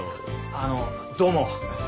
あどうも。